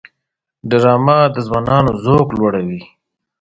ډرامه د ځوانانو ذوق لوړوي